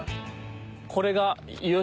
これが。